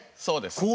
そうです。